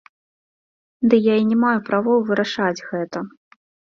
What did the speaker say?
Ды я і не маю правоў вырашаць гэта.